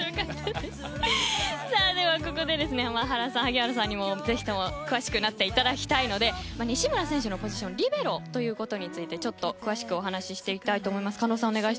ここで原さん、萩原さんにもぜひとも詳しくなっていただきたいので西村選手のポジションリベロについて詳しくお話していきたいと思います。